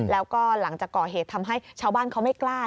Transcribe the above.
แล้วก็หลังจากก่อเหตุทำให้ชาวบ้านเขาไม่กล้า